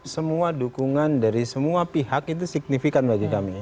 semua dukungan dari semua pihak itu signifikan bagi kami